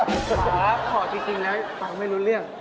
ขอจริงแล้วฟังไม่รู้เรื่อง